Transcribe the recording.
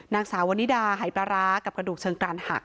นางสาววันนิดาหายปลาร้ากับกระดูกเชิงกรานหัก